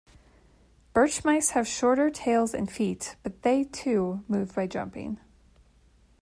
Birch mice have shorter tails and feet, but they, too, move by jumping.